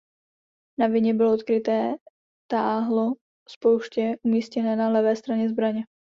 Na vině bylo odkryté táhlo spouště umístěné na levé straně zbraně.